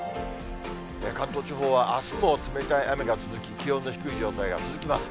関東地方はあすも冷たい雨が続き、気温の低い状態が続きます。